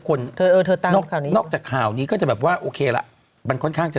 คนเออเธอตั้งข่าวนี้ก็จะแบบว่าโอเคล่ะมันค่อนข้างจะ